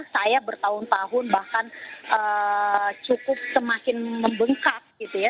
saya bertahun tahun bahkan cukup semakin membengkak gitu ya